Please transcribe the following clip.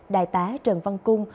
đại tá trần văn cung